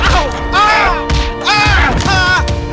eh jangan eh jangan